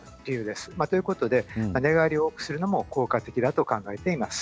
まあということで寝返りを多くするのも効果的だと考えています。